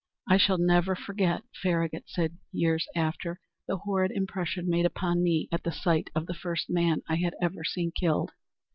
"I shall never forget," Farragut said years after, "the horrid impression made upon me at the sight of the first man I had ever seen killed.